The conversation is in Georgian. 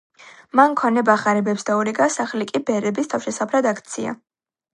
მან ქონება ღარიბებს დაურიგა, სახლი კი ბერების თავშესაფრად აქცია.